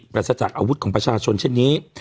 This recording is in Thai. รัสจากอาวุธของประชาชนเช่นนี้